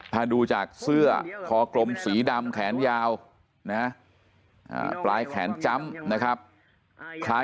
ถ้าดูจากเสื้อคอกลมสีดำแขนยาวนะปลายแขนจำนะครับคล้าย